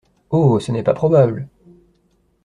Oh ! ce n’est pas probable !…